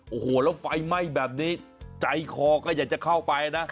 โอ้โหแล้วไฟไหม้แบบนี้ใจคอก็อยากจะเข้าไปนะ